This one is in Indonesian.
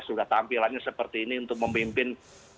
sudah tampilannya seperti ini untuk memimpin